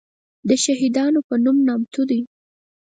دشهیدانو په نوم نامتو دی.